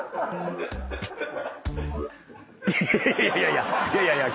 いやいやいやいや！